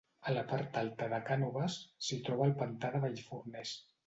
A la part alta de Cànoves s'hi troba el Pantà de Vallforners.